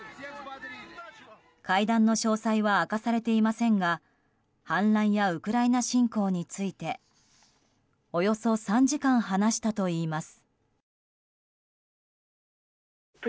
会談の詳細は明かされていませんが反乱やウクライナ侵攻についておよそ３時間話したといいます。